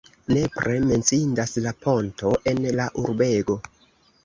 Nepre menciindas la ponto en la urbego.